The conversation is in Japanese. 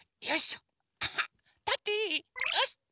よし。